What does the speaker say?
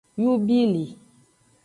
Yubili.